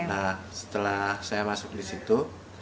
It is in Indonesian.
nah setelah saya masuk di situ